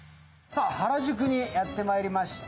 原宿にやってまいりました。